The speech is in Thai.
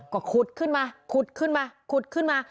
ก็ขุดขึ้นมาขุดขึ้นมาขุดขึ้นมา